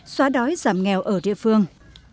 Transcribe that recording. xóa đói giảm nghèo ở địa phương